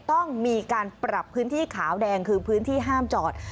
ต้องมีการปรับพื้นที่ขาวแดงคือพื้นที่ห้ามจอด